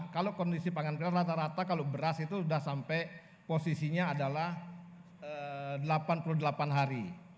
kalau kondisi pangan kita rata rata kalau beras itu sudah sampai posisinya adalah delapan puluh delapan hari